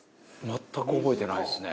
全く覚えてないですね。